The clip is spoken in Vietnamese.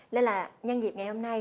nên là nhân dịp ngày hôm nay